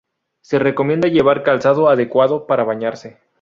Se recomienda llevar calzado adecuado para bañarse.